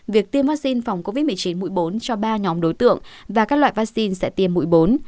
việc tiêm vaccine phòng covid một mươi chín mũi bốn cho ba nhóm đối tượng và các loại vaccine sẽ tiêm mũi bốn